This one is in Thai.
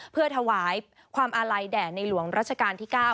เพื่อถวายความอาลัยแด่ในหลวงรัชกาลที่๙